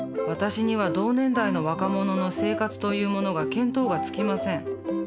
私には同年代の若者の生活というものが見当がつきません。